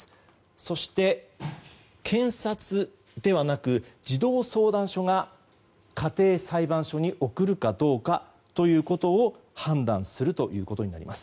そして、検察ではなく児童相談所が家庭裁判所に送るかどうかを判断するということになります。